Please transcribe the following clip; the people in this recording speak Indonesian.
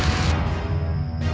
dan pilar itu membaiki